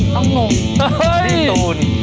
พี่ตูน